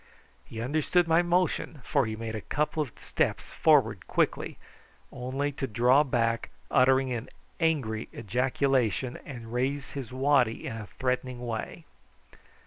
He understood my motion, for he made a couple of steps forward quickly, but only to draw back uttering an angry ejaculation, and raise his waddy in a threatening way.